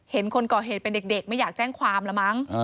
คนก่อเหตุเป็นเด็กไม่อยากแจ้งความละมั้ง